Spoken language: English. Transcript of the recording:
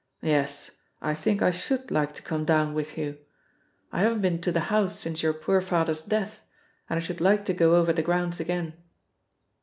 "Yes, I think I should like to come down with you. I haven't been to the house since your poor father's death, and I should like to go over the grounds again."